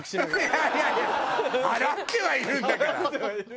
いやいやいや払ってはいるんだから。